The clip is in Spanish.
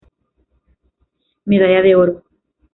Medalla de Oro.